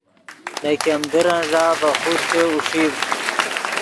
نے ګیمدرن ݱا ڤے خوشچے اوݰیڤد